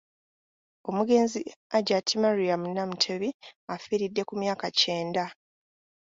Omugenzi Hajjat Mariam Namutebi afiiridde ku myaka kyenda.